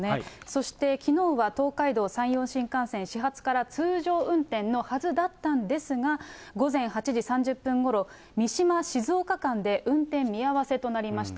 そしてきのうは、東海道・山陽新幹線、始発から通常運転のはずだったんですが、午前８時３０分ごろ、三島・静岡間で運転見合わせとなりました。